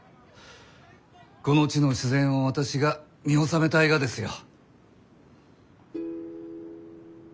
この地の自然を私が見納めたいがですよ。